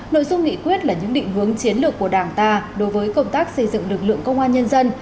nội dung nghị quyết là những định hướng chiến lược của đảng ta đối với công tác xây dựng lực lượng công an nhân dân